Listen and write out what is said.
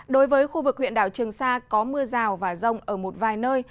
đối với khu vực huyện đảo trường sa có mưa rào và rông ở một vài nơi